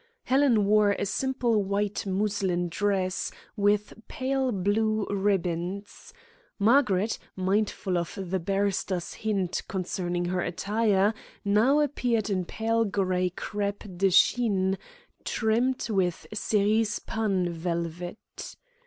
Helen wore a simple white muslin dress, with pale blue ribbons. Margaret, mindful of the barrister's hint concerning her attire, now appeared in pale grey crêpe de chine, trimmed with cerise panne velvet.